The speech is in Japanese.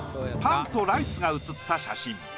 パンとライスが写った写真。